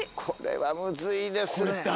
これはムズいですね。